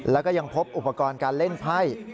แล้วก็ยังพบอุปกรณ์การเล่นไพ่